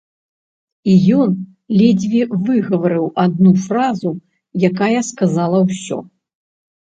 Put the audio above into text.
І ён ледзьве выгаварыў адну фразу, якая сказала ўсё.